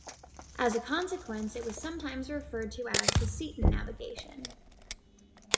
As a consequence it was sometimes referred to as the Seaton Navigation.